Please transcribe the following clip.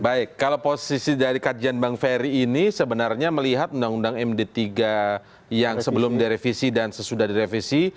baik kalau posisi dari kajian bang ferry ini sebenarnya melihat undang undang md tiga yang sebelum direvisi dan sesudah direvisi